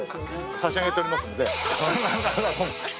差し上げておりますので。